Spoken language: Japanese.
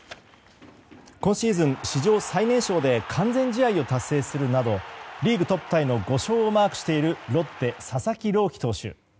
今シーズン史上最年少で完全試合を達成するなどリーグトップタイの５勝をマークしているロッテ、佐々木朗希投手。